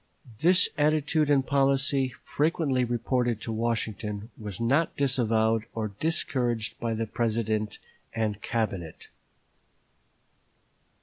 This attitude and policy, frequently reported to Washington, was not disavowed or discouraged by the President and Cabinet.